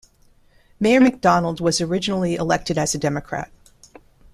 Mayor Mcdonald was originally elected as a Democrat.